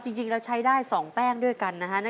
จริงเราใช้ได้๒แป้งด้วยกันนะฮะ